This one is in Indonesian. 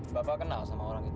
bapak kenal sama orang itu